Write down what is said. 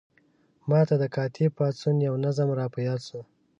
ما ته د کاتب پاڅون یو نظم را په یاد شو.